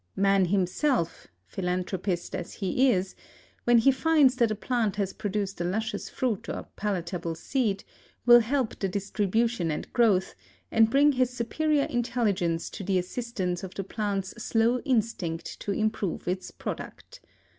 Man himself, philanthropist as he is, when he finds that a plant has produced a luscious fruit or palatable seed, will help the distribution and growth, and bring his superior intelligence to the assistance of the plant's slow instinct to improve its product.